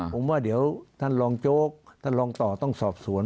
ผมว่าเดี๋ยวท่านรองโจ๊กท่านรองต่อต้องสอบสวน